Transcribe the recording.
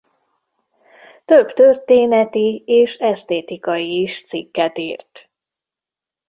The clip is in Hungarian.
Több történeti és esztétikai is cikket írt.